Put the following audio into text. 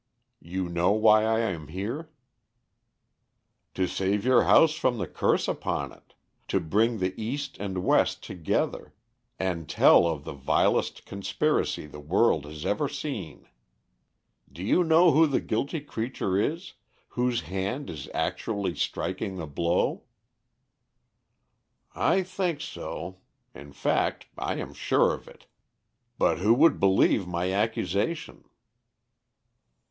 You know why I am here?" "To save your house from the curse upon it. To bring the East and West together, and tell of the vilest conspiracy the world has ever seen. Do you know who the guilty creature is, whose hand is actually striking the blow?" "I think so; in fact I am sure of it. But who would believe my accusation?"